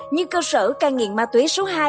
nhưng cơ sở ca nghiện ma túy số hai